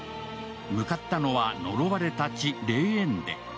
向かったのは呪われた地・レーエンデ。